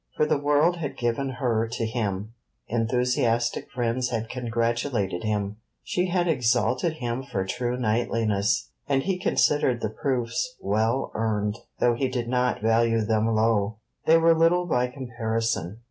For the world had given her to him, enthusiastic friends had congratulated him: she had exalted him for true knightliness; and he considered the proofs well earned, though he did not value them low. They were little by comparison.